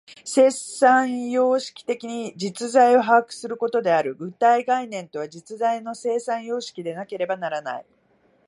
生産様式的に実在を把握することである。具体概念とは、実在の生産様式でなければならない。